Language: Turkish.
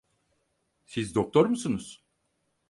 Siz doktor musunuz?